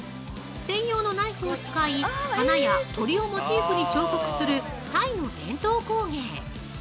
専用のナイフを使い、花や鳥をモチーフに彫刻するタイの伝統工芸。